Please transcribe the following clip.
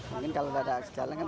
mungkin kalau gak ada aset jalan